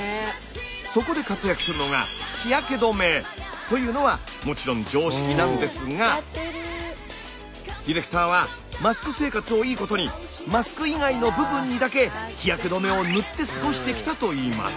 そこで活躍するのがというのはもちろん常識なんですがディレクターはマスク生活をいいことにマスク以外の部分にだけ日焼け止めを塗って過ごしてきたといいます。